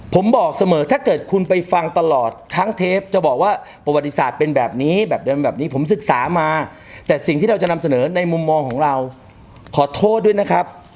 ผมบอกเสมอถ้าเกิดคุณไปฟังตลอดทั้งเทปจะบอกว่าประวัติศาสตร์เป็นแบบนี้แบบเดิมแบบนี้ผมศึกษามาแต่สิ่งที่เราจะนำเสนอในมุมมองของเราขอโทษด้วยนะครับ